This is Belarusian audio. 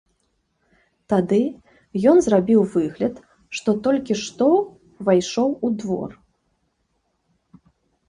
Тады ён зрабіў выгляд, што толькі што ўвайшоў у двор.